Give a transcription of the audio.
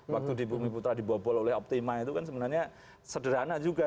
waktu di bumi putra dibobol oleh optima itu kan sebenarnya sederhana juga